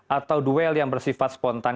atau duel yang bersifat spontan